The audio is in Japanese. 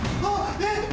えっ！